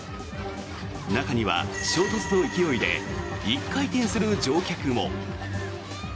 中には衝突の勢いで１回転する乗客も。